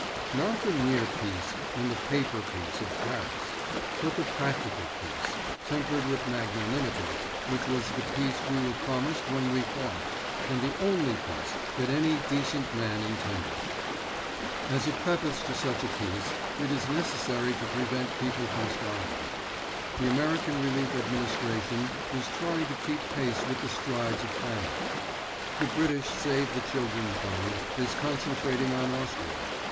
Not the "near" peace and the paper peace of Paris; but the practical peace, tempered with magnanimity, which was the peace we were promised when we fought, and the only peace that any decent man intended. As a preface to such a peace it is necessary to prevent people from starving. The American Relief Administration is trying to keep pace with the strides of famine. The British Save the Children Fund, is concentrating on Austria.